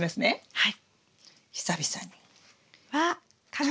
はい。